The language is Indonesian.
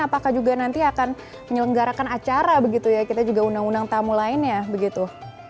apakah juga nanti akan menyelenggarakan acara begitu ya kita juga undang undang tamu lainnya begitu